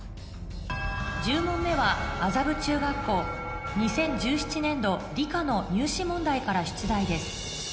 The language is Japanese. １０問目は麻布中学校２０１７年度理科の入試問題から出題です